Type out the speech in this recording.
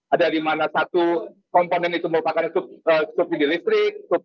ada di mana satu komponen itu merupakan subsidi listrik